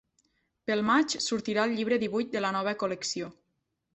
Pel maig sortirà el llibre divuit de la nova col·lecció.